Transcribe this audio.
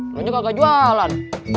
lu juga gak jualan